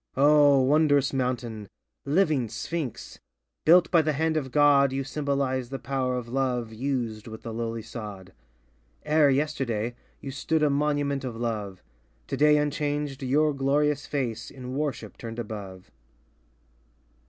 O Wondrous mountain — living Sphinx! Built by the hand of God, You symbolize the power of Love Used with the lowly sod, E'er yesterday, you stood a monument of Love, Today unchanged, your glorious face, In worship turned above.